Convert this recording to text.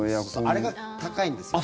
あれが高いんですよ。